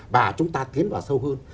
và chúng ta tiến vào sâu hơn